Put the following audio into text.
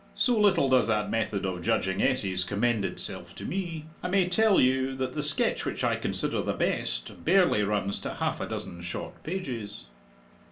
So little does that method of judging essays commend itself to me, I may tell you, that the sketch which I consider the best barely runs to half a dozen short pages."